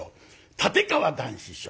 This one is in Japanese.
立川談志師匠。